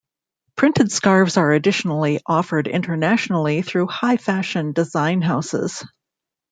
Printed scarves are additionally offered internationally through high fashion design houses.